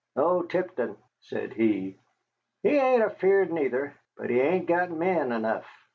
"Oh, Tipton," said he, "he hain't afeard neither, but he hain't got men enough."